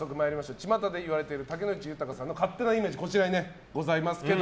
ちまたで言われている竹野内豊さんの勝手なイメージこちらにございますが。